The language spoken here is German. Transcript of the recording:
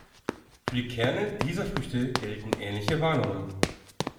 Für die Kerne dieser Früchte gelten ähnliche Warnungen.